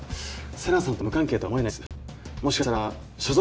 瀬那さんと無関係とは思えないんです。